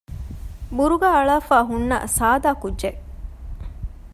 ބުރުގާ އަޅާފައި ހުންނަ ސާދަ ކުއްޖެއް